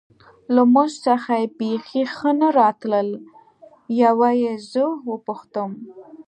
له موږ څخه یې بېخي ښه نه راتلل، یوه یې زه و پوښتم.